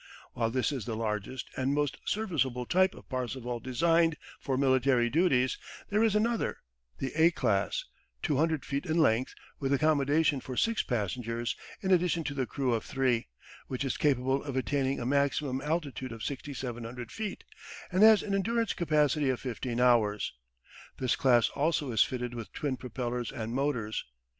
While this is the largest and most serviceable type of Parseval designed for military duties, there is another, the A class, 200 feet in length with accommodation for six passengers in addition to the crew of three, which is capable of attaining a maximum altitude of 6,700 feet, and has an endurance capacity of 15 hours. This class also is fitted with twin propellers and motors.